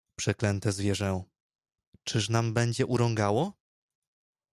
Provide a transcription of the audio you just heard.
"Przeklęte zwierzę, czyż nam będzie urągało?"